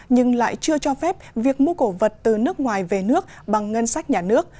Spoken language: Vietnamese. nhưng lại chưa cho phép việc mua cổ vật từ nước ngoài về nước bằng ngân sách nhà nước